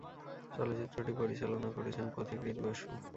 চলচ্চিত্রটি পরিচালনা করেছেন পথিকৃৎ বসু।